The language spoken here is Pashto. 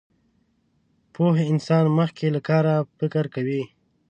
پوه انسان مخکې له کاره فکر کوي.